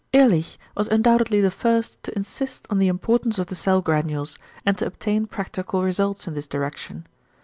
Ehrlich was undoubtedly the first to insist on the importance of the cell granules, and to obtain practical results in this direction.